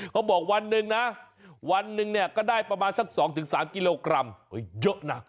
วันหนึ่งนะวันหนึ่งเนี่ยก็ได้ประมาณสัก๒๓กิโลกรัมเยอะนะ